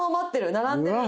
並んでる。